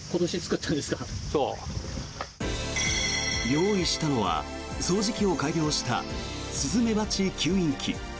用意したのは掃除機を改良したスズメバチ吸引器。